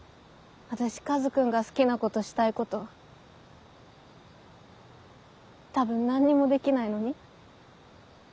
私カズくんが好きなことしたいこと多分何もできないのに？